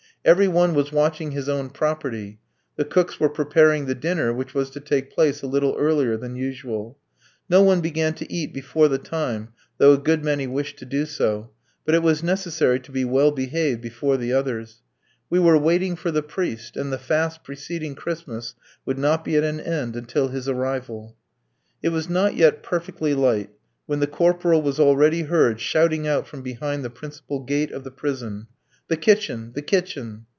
Every one was watching his own property. The cooks were preparing the dinner, which was to take place a little earlier than usual. No one began to eat before the time, though a good many wished to do so; but it was necessary to be well behaved before the others. We were waiting for the priest, and the fast preceding Christmas would not be at an end until his arrival. It was not yet perfectly light, when the corporal was already heard shouting out from behind the principal gate of the prison: "The kitchen; the kitchen."